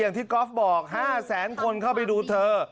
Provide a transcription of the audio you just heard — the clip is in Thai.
อย่างที่กอล์ฟบอก๕แสนคนเข้าไปดูเธอ